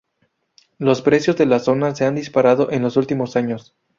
Los precios de la zona se han disparado en los últimos años.